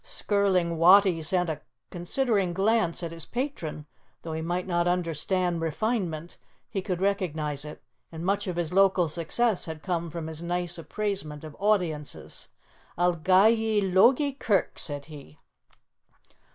Skirling Wattie sent a considering glance at his patron; though he might not understand refinement, he could recognize it; and much of his local success had come from his nice appraisement of audiences. "I'll gie ye Logie Kirk," said he.